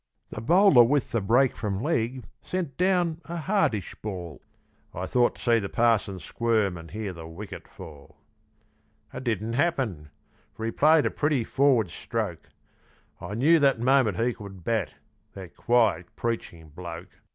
The bowler with the break from leg sent down a hardish ball, I thought to see the parson squirm and hear the wicket fall; It didn't happen, for he played a pretty forward stroke; I knew that moment he could bat, that quiet preaching bloke.